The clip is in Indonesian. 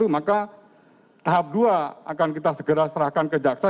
maka tahap dua akan kita segera serahkan ke jaksa